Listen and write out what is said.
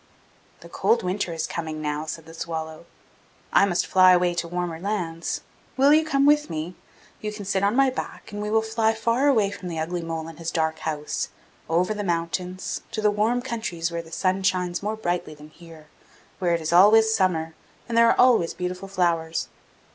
'The cold winter is coming now,' said the swallow. 'I must fly away to warmer lands: will you come with me? You can sit on my back, and we will fly far away from the ugly mole and his dark house, over the mountains, to the warm countries where the sun shines more brightly than here, where it is always summer, and there are always beautiful flowers.